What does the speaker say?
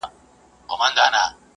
د انکشافي بودیجې ارزښت څه دی؟